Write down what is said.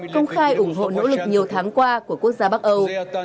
công khai ủng hộ nỗ lực nhiều tháng qua của quốc gia bắc âu